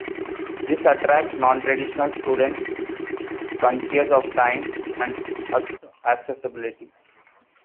This attracts non-traditional students conscious of time and accessibility.